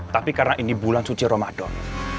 tapi karena ini bulan suci ramadan